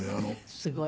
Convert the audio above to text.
すごい。